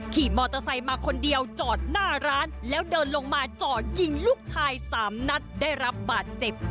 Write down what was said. ขี่มอเตอร์ไซค์มาคนเดียวจอดหน้าร้านแล้วเดินลงมาจ่อยิงลูกชายสามนัดได้รับบาดเจ็บ